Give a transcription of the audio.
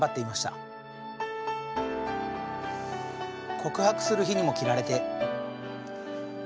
「告白する日にも着られて」。